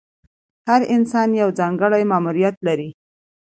هر انسان یو ځانګړی ماموریت لري.